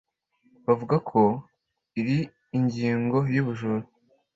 bavuga ko iri ingingo " y’ubujura"